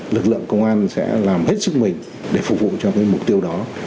lực lượng công an sẽ làm hết sức mình để phục vụ cho cái mục tiêu đó